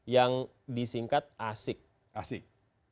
yang disingkat asik